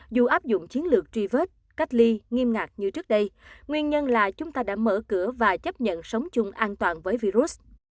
dù áp dụng chiến lược truy vết cách ly nghiêm ngặt như trước đây nguyên nhân là chúng ta đã mở cửa và chấp nhận sống chung an toàn với virus